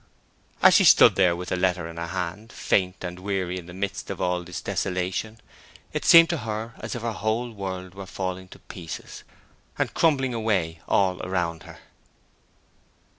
As she stood there with the letter in her hand faint and weary in the midst of all this desolation, it seemed to her as if the whole world were falling to pieces and crumbling away all around her.